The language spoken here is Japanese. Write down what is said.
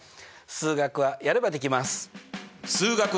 数学はやればできます！